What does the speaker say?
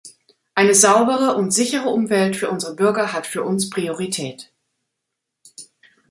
Eine saubere und sichere Umwelt für unsere Bürger hat für uns Priorität.